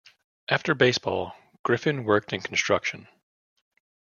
After baseball, Griffin worked in construction.